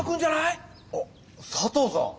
あっ佐藤さん！